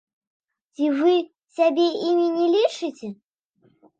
Ці вы сябе імі не лічыце?